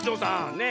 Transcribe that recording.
ねえ。